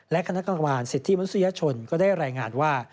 และคณะกรรมการสิทธิมนุษยชนก็ได้รายงานว่า